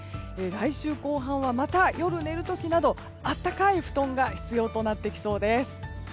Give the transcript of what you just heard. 来週後半は、また夜寝る時など温かい布団が必要となってきそうです。